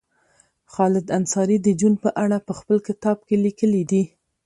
خالد انصاري د جون په اړه په خپل کتاب کې لیکلي دي